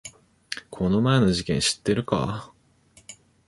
この前の事件知ってるか？